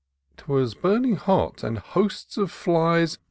'Twas burning hot, and hosts of flies.